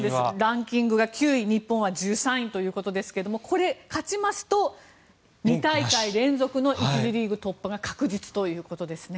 ランキングが９位日本は１３位ということですが勝ちますと２大会連続の１次リーグ突破が確実ということですね。